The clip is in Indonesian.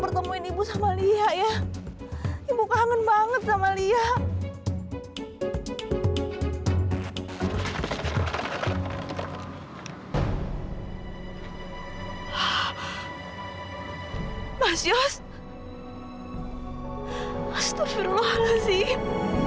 pertemuin ibu sama lihat ya ibu kangen banget sama lihat masyarakat astagfirullahaladzim